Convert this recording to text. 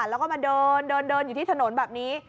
แล้วก็มาเดินเดินอยู่ที่ถนนแบบนี้